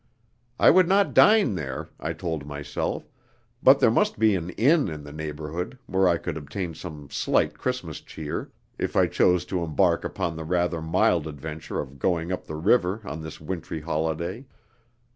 I would not dine there, I told myself, but there must be an inn in the neighbourhood, where I could obtain some slight Christmas cheer, if I chose to embark upon the rather mild adventure of going up the river on this wintry holiday.